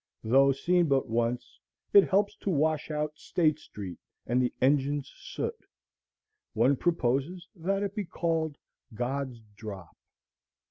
Though seen but once, it helps to wash out State street and the engine's soot. One proposes that it be called "God's Drop."